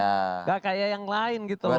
nggak kayak yang lain gitu loh